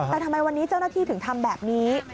แต่ทำไมวันนี้เจ้าหน้าที่ถึงทำแบบนี้